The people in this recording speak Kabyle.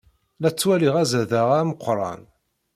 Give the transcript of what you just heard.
La ttwaliɣ azadaɣ-a ameqran.